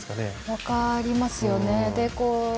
分かりますよね。